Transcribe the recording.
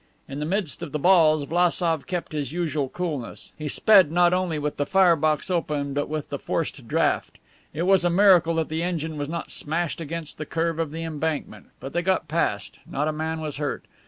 In the midst of the balls Vlassof kept his usual coolness. He sped not only with the firebox open but with the forced draught. It was a miracle that the engine was not smashed against the curve of the embankment. But they got past. Not a man was hurt.